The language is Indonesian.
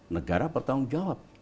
negara bertanggung jawab